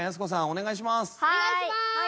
お願いします！